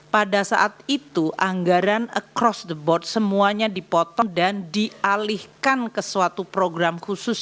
pada saat itu anggaran across the board semuanya dipotong dan dialihkan ke suatu program khusus